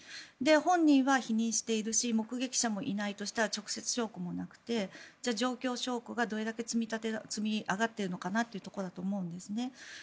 本人は否認しているし目撃者もいないとしたら直接証拠もなくて状況証拠がどれだけ積み上がっているのかなというところだと思うんですね。